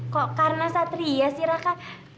kok karena satria sih raka